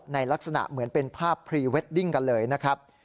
ลักษณะเหมือนเป็นภาพพรีเวดดิ้งกันเลยนะครับ